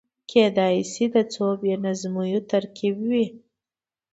کېدای شي د څو بې نظمیو ترکيب وي.